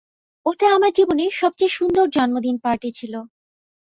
ওটা আমার জীবনের সবচেয়ে সুন্দর জন্মদিন পার্টি ছিল।